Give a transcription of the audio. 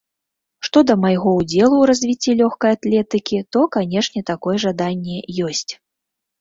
Што да майго ўдзелу ў развіцці лёгкай атлетыкі, то, канечне, такое жаданне ёсць.